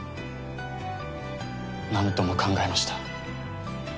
何度も考えました。